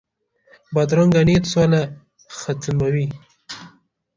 بدرنګه نیت سوله ختموي